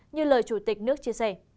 như lời chủ tịch nước chia sẻ